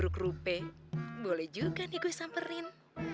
rp seratus boleh juga nih gue samperin